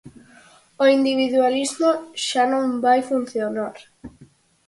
O individualismo xa non vai funcionar.